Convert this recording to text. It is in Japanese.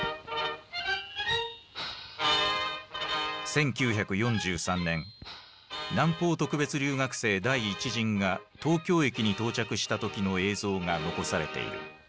１９４３年南方特別留学生第１陣が東京駅に到着した時の映像が残されている。